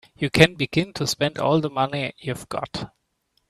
You can't begin to spend all the money you've got.